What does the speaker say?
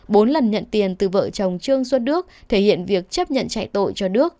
bốn lần nhận tiền từ vợ chồng trương xuất đức thể hiện việc chấp nhận chạy tội cho đức